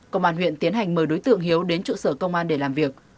công an huyện tiến hành mời đối tượng hiếu đến trụ sở công an để làm việc